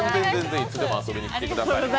いつでも遊びに来てください。